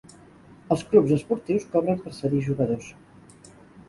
Els clubs esportius cobren per cedir jugadors.